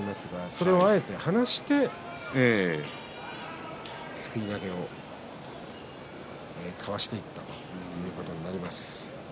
それをあえて離してすくい投げをかわしていったということです。